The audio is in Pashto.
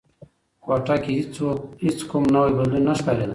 کوټه کې هیڅ کوم نوی بدلون نه ښکارېده.